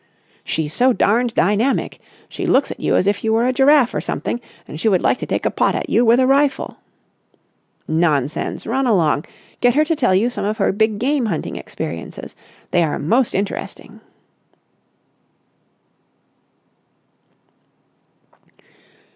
"She's so darned dynamic. She looks at you as if you were a giraffe or something and she would like to take a pot at you with a rifle." "Nonsense! Run along. Get her to tell you some of her big game hunting experiences. They are most interesting."